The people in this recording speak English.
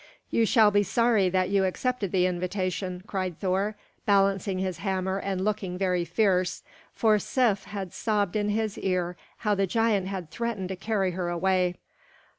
"You shall be sorry that you accepted the invitation," cried Thor, balancing his hammer and looking very fierce; for Sif had sobbed in his ear how the giant had threatened to carry her away.